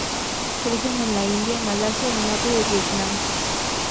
Crecen en la India, Malasia y norte de Vietnam.